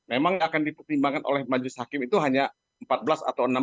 memang akan dipertimbangkan oleh majelis hakim itu hanya empat belas atau enam belas